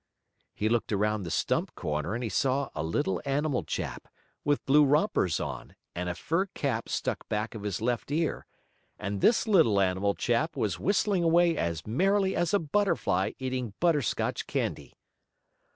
He looked around the stump corner and he saw a little animal chap, with blue rompers on, and a fur cap stuck back of his left ear, and this little animal chap was whistling away as merrily as a butterfly eating butterscotch candy.